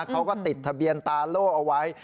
เขาก็ติดทะเบียนตาโล่เอาไว้